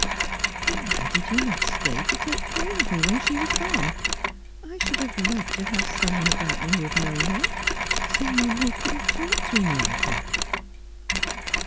' Then why did you not stay to take care of me when she was gone 1 I should have loved to have some one about me who had known her — some one who could have talked to me of her.'